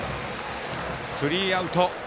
スリーアウト。